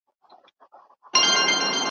خو په جوغ پوري تړلی وو، بوده وو ,